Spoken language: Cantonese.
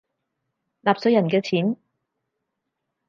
納稅人嘅錢